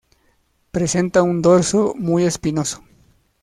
Presenta un dorso muy espinoso.